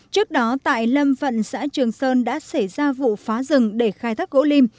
trước đó tại lâm vận xã trường sơn đã xảy ra vụ phá rừng để khai thác gỗ lim